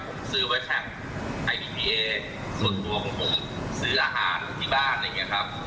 ผมซื้อไว้แชมป์ไอพีพีเอส่วนขัวของผมซื้ออาหารที่บ้านเนี้ยครับ